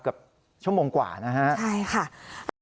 เกือบชั่วโมงกว่านะครับนะครับใช่ค่ะใช่ค่ะ